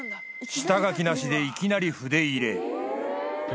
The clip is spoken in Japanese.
下描きなしでいきなり筆入れ